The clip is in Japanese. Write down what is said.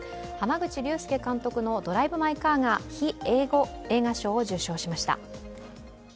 濱口竜介監督の「ドライブ・マイ・カー」が非英語映画賞を受賞しました。